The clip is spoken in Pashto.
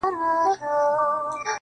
سپوږمۍ خو مياشت كي څو ورځي وي.